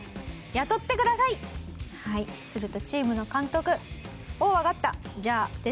するとチームの監督。